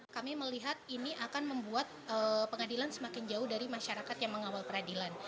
kami melihat ini akan membuat pengadilan semakin jauh dari masyarakat yang mengawal peradilan